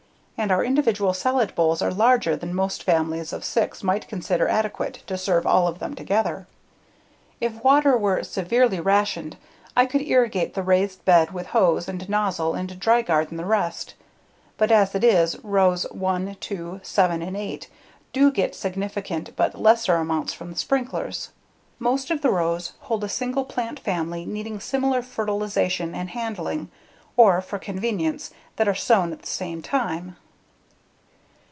And our individual salad bowls are larger than most families of six might consider adequate to serve all of them together. If water were severely rationed I could irrigate the raised bed with hose and nozzle and dry garden the rest, but as it is, rows 1, 2, 7, and 8 do get significant but lesser amounts from the sprinklers. Most of the rows hold a single plant family needing similar fertilization and handling or, for convenience, that are sown at the same time.